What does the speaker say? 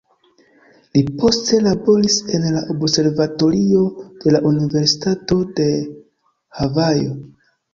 Li poste laboris en la observatorio de la Universitato de Havajo.